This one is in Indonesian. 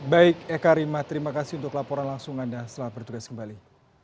baik eka rima terima kasih untuk laporan langsung anda selamat bertugas kembali